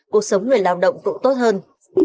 cuộc sống người lao động cũng tốt hơn